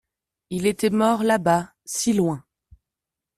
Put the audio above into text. Il était mort là-bas, si loin.